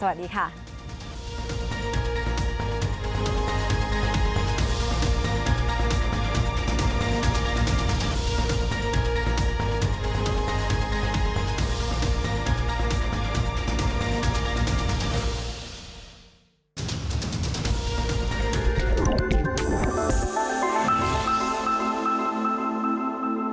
หลายครั้งหลายครั้ง